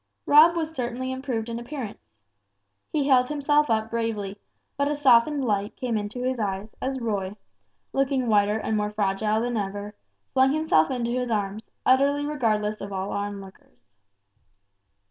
Rob was certainly improved in appearance. He held himself up bravely, but a softened light came into his eyes, as Roy, looking whiter and more fragile than ever, flung himself into his arms, utterly regardless of all onlookers.